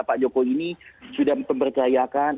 pak jokowi ini sudah mempercayakan